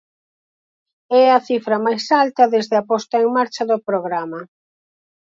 É a cifra máis alta desde a posta en marcha do programa.